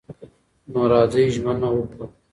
نو راځئ ژمنه وکړو.